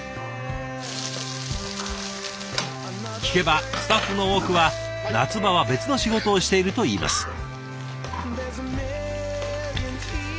聞けばスタッフの多くは夏場は別の仕事をしているといいます。